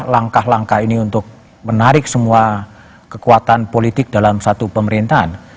langkah langkah ini untuk menarik semua kekuatan politik dalam satu pemerintahan